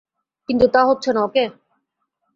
কিন্তু তা হচ্ছে না, ওকে?